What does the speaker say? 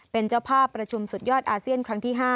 เป็นเจ้าภาพประชุมสุดยอดอาเซียนครั้งที่๕